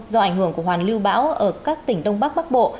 do ảnh hưởng của hoàn lưu bão ở các tỉnh đông bắc bắc bộ